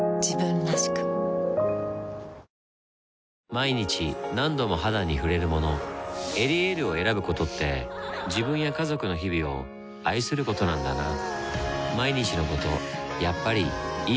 毎日何度も肌に触れるもの「エリエール」を選ぶことって自分や家族の日々を愛することなんだなぁ